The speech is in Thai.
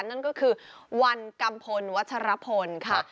นั่นก็คือวันกัมพลวัชรพลค่ะ